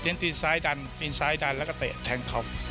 ตีซ้ายดันปีนซ้ายดันแล้วก็เตะแทงเขา